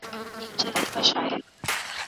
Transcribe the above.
که ته وغواړې نو زه به ستا سره ملګری سم .